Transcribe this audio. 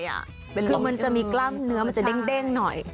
คือมันจะมีกล้ามเนื้อมันจะเด้งหน่อย